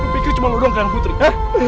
pikir cuma lo doang kehilangan putri he